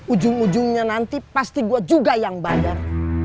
ujung ujungnya nanti pasti gue juga yang badar